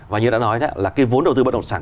và như đã nói đó là cái vốn đầu tư bất động sản